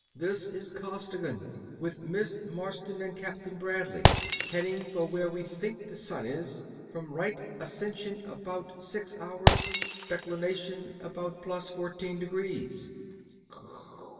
This is Costigan, with Miss Marsden and Captain Bradley, heading for where we think the sun is, from right ascension about six hours, declination about plus fourteen degrees.